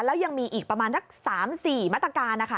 แล้วยังมีอีกประมาณสัก๓๔มาตรการนะคะ